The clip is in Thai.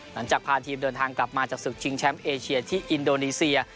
หลังจากพาทีมเดินทางกลับมาจากศึกชิงแชมป์เอเชียที่อินโดนีเซีย